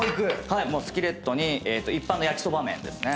はいスキレットに一般の焼きそば麺ですね。